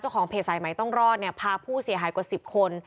เจ้าของเพจสายไหมต้องรอดพาผู้เสียหายกว่า๑๐คน